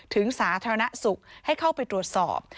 สาธารณสุขให้เข้าไปตรวจสอบ